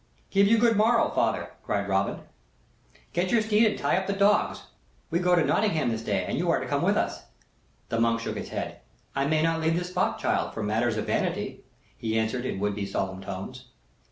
"Give you good morrow, father," cried Robin; "get your steed and tie up the dogs. We go to Nottingham this day and you are to come with us!" The monk shook his head. "I may not leave this spot, child, for matters of vanity," he answered, in would be solemn tones.